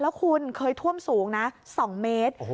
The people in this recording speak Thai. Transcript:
แล้วคุณเคยท่วมสูงนะ๒เมตร